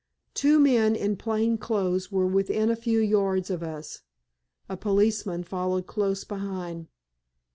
Two men in plain clothes were within a few yards of us; a policeman followed close behind.